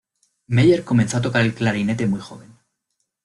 Meyer comenzó a tocar el clarinete muy joven.